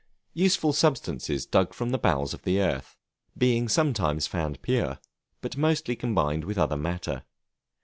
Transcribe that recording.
Useful substances dug from the bowels of the earth, being sometimes found pure, but mostly combined with other matter.